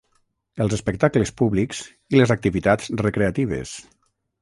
Els espectacles públics i les activitats recreatives.